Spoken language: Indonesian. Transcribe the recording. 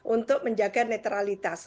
untuk menjaga netralitas